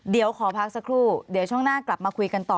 เดี๋ยวขอพักสักครู่เดี๋ยวช่วงหน้ากลับมาคุยกันต่อ